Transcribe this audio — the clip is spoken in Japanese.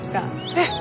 えっ！